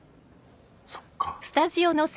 そっか。